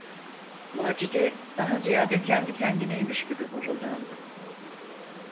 Macide, daha ziyade kendi kendineymiş gibi mırıldandı: